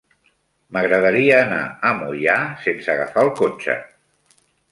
M'agradaria anar a Moià sense agafar el cotxe.